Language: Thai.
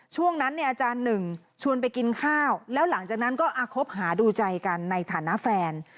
ช่วงนั้นเนี่ยอาจารย์หนึ่งชวนไปกินข้าวแล้วหลังจากนั้นก็คบหาดูใจกันในฐานะแฟน